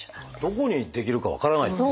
どこに出来るか分からないっていう。